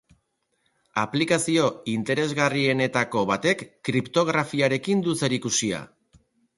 Aplikazio interesgarrienetako batek kriptografiarekin du zerikusia.